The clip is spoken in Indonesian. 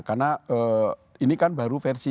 karena ini kan baru versi